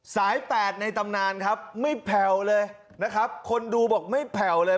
แปดในตำนานครับไม่แผ่วเลยนะครับคนดูบอกไม่แผ่วเลย